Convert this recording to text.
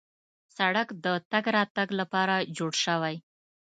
سړک د تګ راتګ لپاره جوړ شوی.